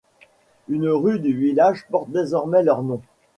Une rue du village porte désormais leurs noms.